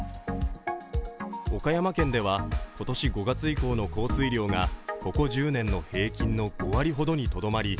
岡山県では今年５月以降の降水量がここ１０年の平均の５割ほどにとどまぢ